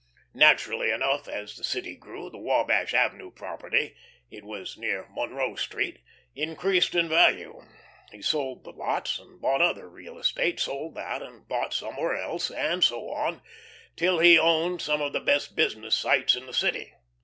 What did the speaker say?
Naturally enough as the city grew the Wabash Avenue property it was near Monroe Street increased in value. He sold the lots and bought other real estate, sold that and bought somewhere else, and so on, till he owned some of the best business sites in the city.